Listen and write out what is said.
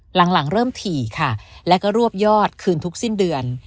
หลังเริ่มถี่ค่ะแล้วก็รวบยอดคืนทุกสิ้นเดือน